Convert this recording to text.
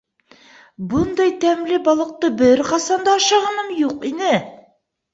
— Бындай тәмле балыҡты бер ҡасан да ашағаным юҡ ине.